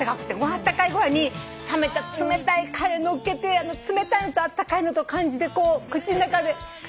あったかいご飯に冷めた冷たいカレーのっけて冷たいのとあったかいのと口の中で。